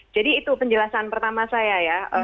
jadi itu penjelasan pertama saya ya